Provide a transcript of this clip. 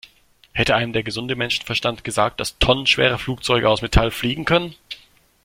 Hätte einem der gesunde Menschenverstand gesagt, dass tonnenschwere Flugzeuge aus Metall fliegen können?